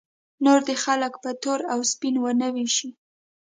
نور دې خلک په تور او سپین ونه ویشي.